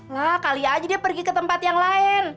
nah kali aja dia pergi ke tempat yang lain